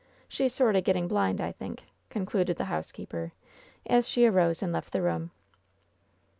She's sort o' getting blind, I think," concluded the housekeeper, as she arose and left the room.